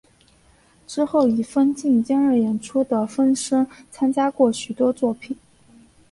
之后以分镜兼任演出的身分参加过许多作品。